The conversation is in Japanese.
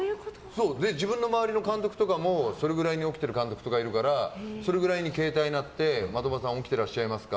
自分の周りの監督とかもそれくらいに起きてる監督とかいるからそれぐらいに携帯が鳴って的場さん起きてらっしゃいますか？